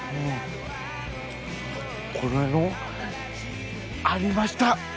これのありました。